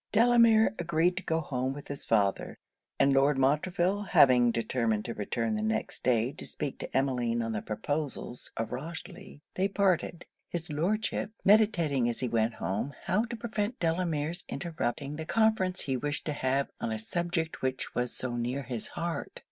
Delamere agreed to go home with his father; and Lord Montreville having determined to return the next day to speak to Emmeline on the proposals of Rochely, they parted; his Lordship meditating as he went home how to prevent Delamere's interrupting the conference he wished to have on a subject which was so near his heart.